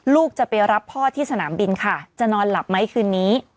ลูกจะไปรับพ่อที่สนามบินค่ะจะนอนหลับไหมคืนนี้